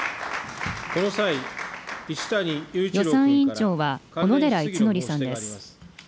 予算委員長は、小野寺五典さんです。